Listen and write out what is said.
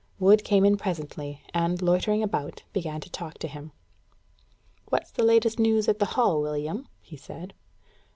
Wood came in presently, and, loitering about, began to talk to him. "What's the last news at the Hall, William?" he said.